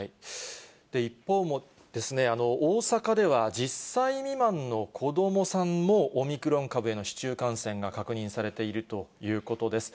一方ですね、大阪では１０歳未満の子どもさんも、オミクロン株への市中感染が確認されているということです。